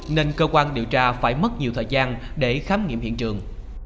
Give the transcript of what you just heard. nên cơ quan điều tra phải mất nhiều thời gian để khám nghiệm hiện trường